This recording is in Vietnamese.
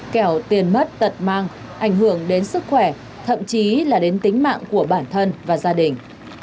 kẻo tiền mất tật mang ảnh hưởng đến sức khỏe thậm chí là đến tính mạng của bản thân và gia đình